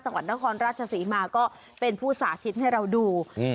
จังหวัดนครราชศรีมาก็เป็นผู้สาธิตให้เราดูอืม